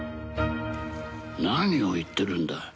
何を言ってるんだ。